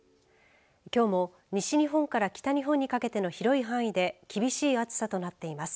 きょうも西日本から北日本にかけての広い範囲で厳しい暑さとなっています。